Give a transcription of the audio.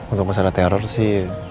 untuk masalah teror sih